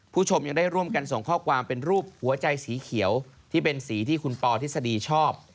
ผู้ชมยังได้ร่วมกันส่งข้อความเป็นรูปหัวใจสีเขียวที่เป็นสีที่คุณปอทฤษฎีชอบ